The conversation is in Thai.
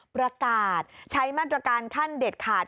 ประกาศใช้มาตรการขั้นเด็ดขาด